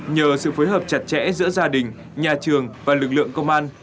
nhờ sự phối hợp chặt chẽ giữa gia đình nhà trường và lực lượng công an